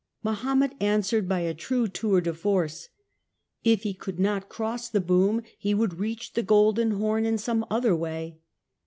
Mahomet answered by a true tour deforce. If he could not cross the boom, he would reach the Golden Horn in some other way.